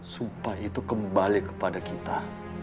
supaya itu kembali kepada kita